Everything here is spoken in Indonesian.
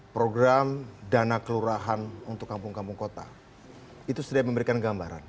program dana kelurahan untuk kampung kampung kota itu sudah memberikan gambaran